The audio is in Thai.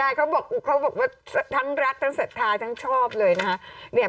ใช่เขาบอกเขาบอกว่าทั้งรักทั้งศรัทธาทั้งชอบเลยนะคะ